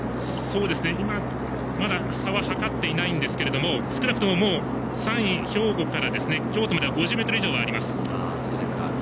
まだ差は計っていないんですが少なくとも３位、兵庫から京都までは５０ｍ以上あります。